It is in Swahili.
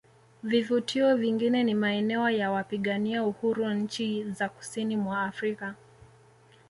Vivutio vingine ni maeneo ya wapigania uhuru nchi za kusini mwa Afrika